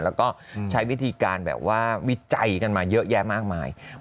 แล้วก็ใช้วิธีการแบบว่าวิจัยกันมาเยอะแยะมากมาย